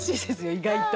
意外と。